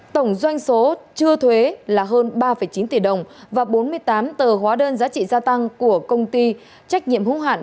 tổng doanh số chưa thuế là hơn ba chín tỷ đồng và bốn mươi tám tờ hóa đơn giá trị gia tăng của công ty trách nhiệm hữu hạn